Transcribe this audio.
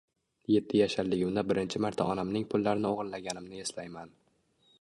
Yetti yasharligimda birinchi marta onamning pullarini o‘g‘irlaganimni eslayman.